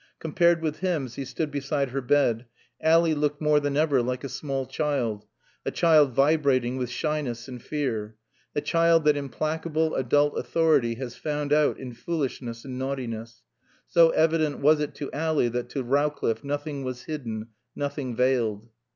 Compared with him, as he stood beside her bed, Ally looked more than ever like a small child, a child vibrating with shyness and fear, a child that implacable adult authority has found out in foolishness and naughtiness; so evident was it to Ally that to Rowcliffe nothing was hidden, nothing veiled.